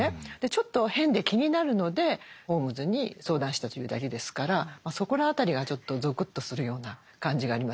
ちょっと変で気になるのでホームズに相談したというだけですからそこら辺りがちょっとぞくっとするような感じがありますね。